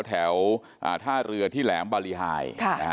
แถวท่าเรือที่แหลมบารีไฮ